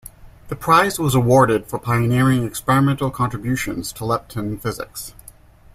The prize was awarded "for pioneering experimental contributions to lepton physics".